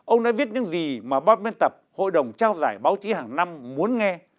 ông đã viết những gì mà ban biên tập hội đồng trao giải báo chí hàng năm muốn nghe